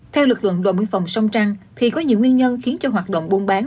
theo lực lượng đồn biên phòng sông trăng thì có nhiều nguyên nhân khiến cho hoạt động buôn bán